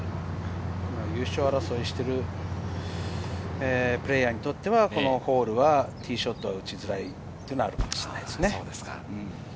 優勝争いをしているプレーヤーにとっては、このホールはティーショットは打ちづらいというのがあるかもしれません。